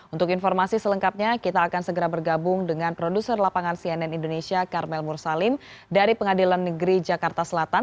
untuk informasi selengkapnya kita akan segera bergabung dengan produser lapangan cnn indonesia karmel mursalim dari pengadilan negeri jakarta selatan